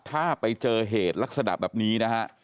ถ้าไปเจอเหตุลักษณะแบบนี้นะฮะ